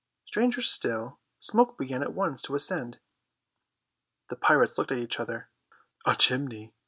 Stranger still, smoke began at once to ascend. The pirates looked at each other. "A chimney!"